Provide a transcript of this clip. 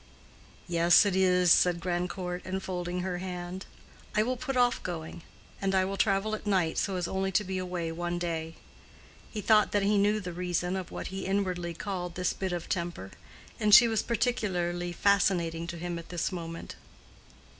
"Yes it is," said Grandcourt, enfolding her hand. "I will put off going. And I will travel at night, so as only to be away one day." He thought that he knew the reason of what he inwardly called this bit of temper, and she was particularly fascinating to him at this moment.